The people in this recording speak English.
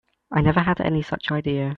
I never had any such idea.